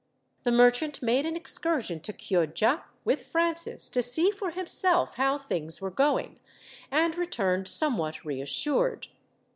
The merchant made an excursion to Chioggia, with Francis, to see for himself how things were going, and returned somewhat reassured.